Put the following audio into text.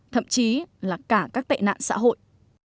thậm chí là cả các tệ nạn xã hội